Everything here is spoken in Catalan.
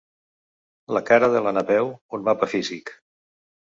La cara de la Napeu, un mapa físic.